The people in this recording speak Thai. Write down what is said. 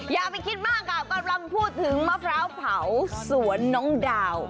อย่าไปคิดมากค่ะกำลังพูดถึงมะพร้าวเผาสวนน้องดาว